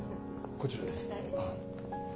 こちらです。